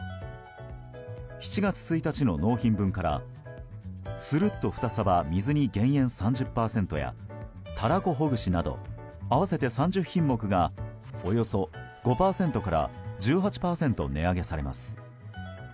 ７月１日の納品分からスルッとふたさば水煮減塩３０％やたらこほぐしなど合わせて３０品目がおよそ５％から１８％値上げされます。